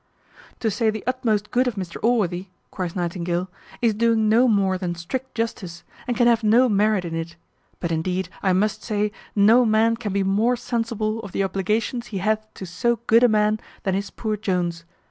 "To say the utmost good of Mr Allworthy," cries Nightingale, "is doing no more than strict justice, and can have no merit in it: but indeed, I must say, no man can be more sensible of the obligations he hath to so good a man than is poor Jones.